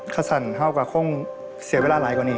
โดยจะเสียเวลามากกว่านี้